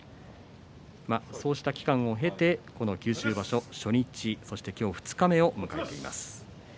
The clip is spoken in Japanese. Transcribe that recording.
そうした期間を経て九州場所初日今日二日目を迎えています。